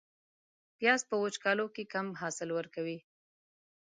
پیاز په وچکالو کې کم حاصل ورکوي